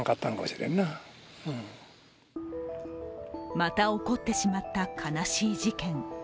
また起こってしまった悲しい事件。